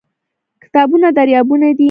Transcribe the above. کتابونه دريابونه دي